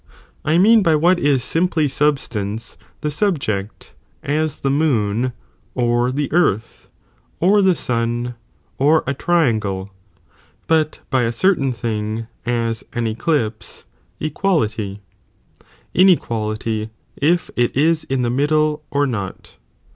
I mean by what is simply (substance) the subject, as the moon, or the earth, or the sun, or a triangle, but by a certain thing, (as) an eclipse, equality, inequality^ if it is in the middle or not.